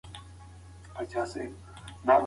د خپل ځان لپاره ډال تيار کړئ!! مونږ وويل: